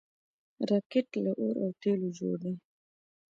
راکټ له اور او تیلو جوړ دی